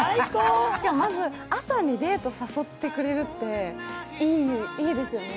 まず、朝にデート誘ってくれるっていいですよね。